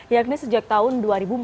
yakni sejak tahun dua ribu empat belas